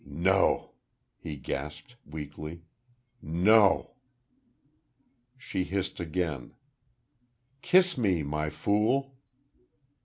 "No!" he gasped, weakly.... "No." She hissed again: "Kiss me, My Fool!"